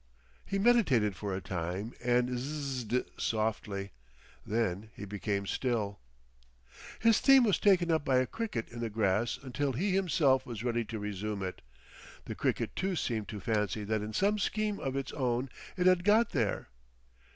He meditated for a time and Zzzzed softly. Then he became still. His theme was taken up by a cricket in the grass until he himself was ready to resume it. The cricket too seemed to fancy that in some scheme of its own it had got there.